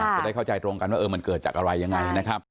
จะได้เข้าใจตรงกันว่ามันเกิดจากอะไรยังไงนะครับ